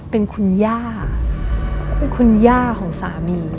เป็นคุณย่าเป็นคุณย่าของสามี